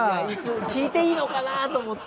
聞いていいのかなと思って。